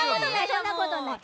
そんなことない。